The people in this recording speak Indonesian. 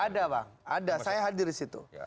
ada bang ada saya hadir disitu